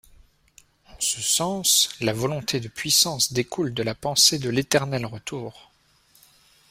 En ce sens, la volonté de puissance découle de la pensée de l’Éternel Retour.